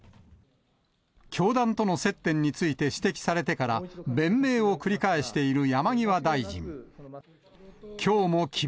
教団との接点について指摘されてから、弁明を繰り返している山際大臣。